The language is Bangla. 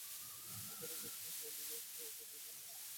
ইদানীং বেছে বেছে বিভিন্ন অফিসে বিশেষ করে ভূমি অফিসে হামলার ঘটনা ঘটছে।